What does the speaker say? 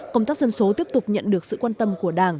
công tác dân số tiếp tục nhận được sự quan tâm của đảng